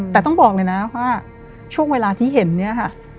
แต่ต้องบอกเลยนะว่าช่วงเวลาที่เห็นเนี่ยค่ะ